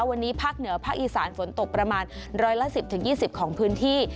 วันนี้ภาคเหนือภาคอีสานฝนตกประมาณร้อยละ๑๐๒๐ของพื้นที่